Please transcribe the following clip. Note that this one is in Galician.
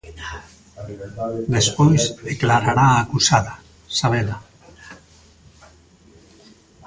Despois declarará a acusada, Sabela.